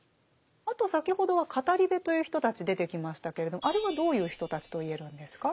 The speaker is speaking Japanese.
あと先ほどは語部という人たち出てきましたけれどあれはどういう人たちと言えるんですか？